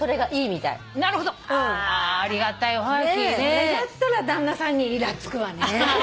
それだったら旦那さんにイラつくわね。